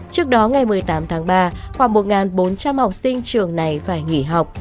trước đó ngày một mươi tám tháng ba khoảng một bốn trăm linh học sinh trường này phải nghỉ học